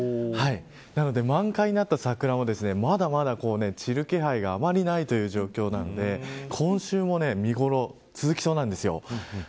なので満開になった桜もまだまだ散る気配があんまりないという状況なので今週も見頃続きそうなんですよ。